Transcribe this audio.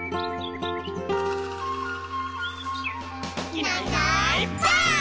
「いないいないばあっ！」